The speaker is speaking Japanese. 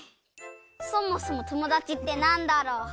そもそもともだちってなんだろう？